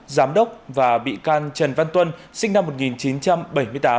giám đốc và bị can trần văn tuân sinh năm một nghìn chín trăm bảy mươi tám